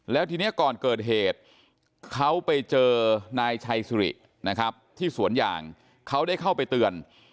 แล้วทีนี้ก่อนเกิดเหตุเขาไปเจอนายชัยสุรินะครับที่สวนยางเขาได้เข้าไปเตือน